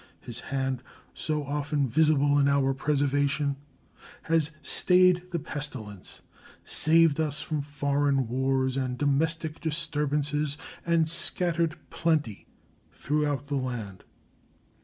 His hand, so often visible in our preservation, has stayed the pestilence, saved us from foreign wars and domestic disturbances, and scattered plenty throughout the land.